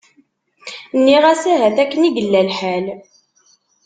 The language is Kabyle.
Nniɣ-as ahat akken i yella lḥal.